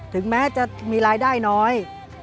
ถึงแม้จะมีรายได้น้อย